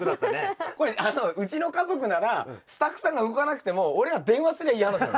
これうちの家族ならスタッフさんが動かなくても俺が電話すりゃいい話だろ。